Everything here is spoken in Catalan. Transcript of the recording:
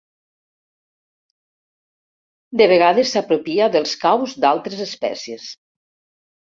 De vegades s'apropia dels caus d'altres espècies.